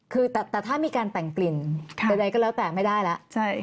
คือแต่ถ้ามีการแต่งกลิ่นใดก็แล้วแต่ไม่ได้แล้ว